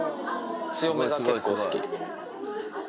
強めが結構好き。